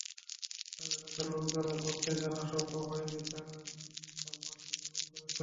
তাই এলাকার লোকজনের পক্ষে জানা সম্ভব হয়নি কারা কালভার্টটি নির্মাণ করেছে।